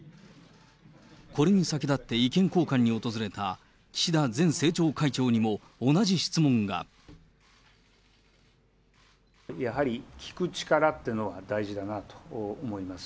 これに先立って意見交換に訪れた岸田前政調会長にも同じ質問やはり、聞く力っていうのは大事だなと思います。